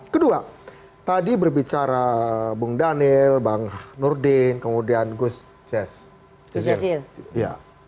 kedua tadi berbicara bung daniel bang nurdin kemudian gus cess